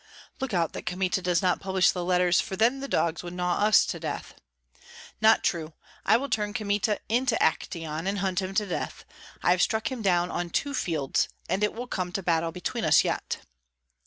"Look out that Kmita does not publish the letters, for then the dogs would gnaw us to death." "Not true! I will turn Kmita into an Actæon, and hunt him to death. I have struck him down on two fields, and it will come to battle between us yet."